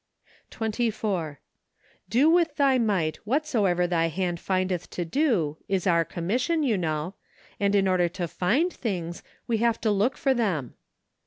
MARCH. 35 24. " Bo with thy might whatsoever thy hand findeth to do," is our commission, you know, and in order to find things, we have to look for them.